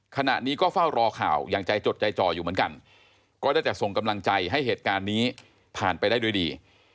ขณะนี้ก็เฝ้ารอข่าวอย่างใจจดใจจ่ออยู่เหมือนกันก็ได้แต่ส่งกำลังใจให้เหตุการณ์นี้ผ่านไปได้ด้วยดี